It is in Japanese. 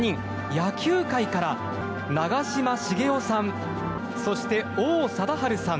野球界から長嶋茂雄さんそして王貞治さん